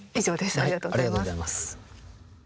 ありがとうございます。